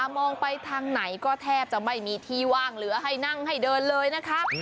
มองไปทางไหนก็แทบจะไม่มีที่ว่างเหลือให้นั่งให้เดินเลยนะครับ